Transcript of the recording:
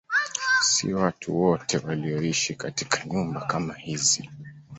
Si watu wote walioishi katika nyumba kama hizi.